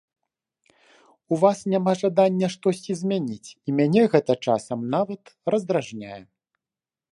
У вас няма жадання штосьці змяніць, і мяне гэта часам нават раздражняе.